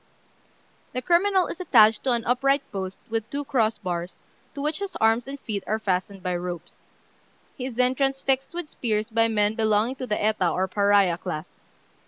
The criminal is attached to an upright post with two cross bars, to which his arms and feet are fastened by ropes. He is then transfixed with spears by men belonging to the Eta or Pariah class.